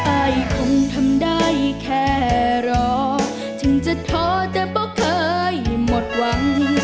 อายคงทำได้แค่รอถึงจะท้อแต่ก็เคยหมดหวัง